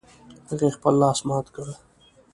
هغې خپل لاس مات کړ